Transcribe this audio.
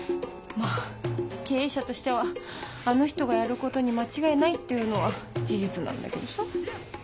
まぁ経営者としてはあの人がやることに間違いないっていうのは事実なんだけどさ。